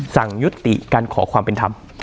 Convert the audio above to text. สั่งยุติการขอความเป็นธรรม